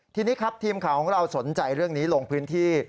ทีนี้ครับทีมข่าวของเราสนใจเรื่องนี้ลงพื้นที่